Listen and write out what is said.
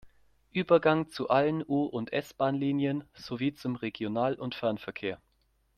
Übergang zu allen U- und S-Bahnlinien sowie zum Regional- und Fernverkehr.